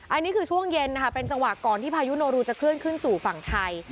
อันนี้คือช่วงเย็นนะคะเป็นจังหวะก่อนที่พายุโนรูจะเคลื่อนขึ้นสู่ฝั่งไทย